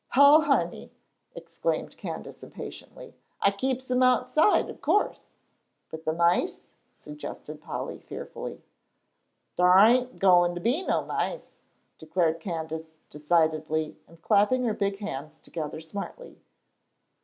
"Oh, honey," exclaimed Candace, impatiently, "I keeps 'em outside, ob course." "But the mice," suggested Polly, fearfully. "Dar ain' goin' t' be no mice," declared Candace, decidedly, and clapping her big hands together smartly.